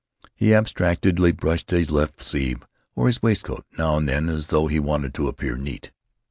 He abstractedly brushed his left sleeve or his waistcoat, now and then, as though he wanted to appear neat.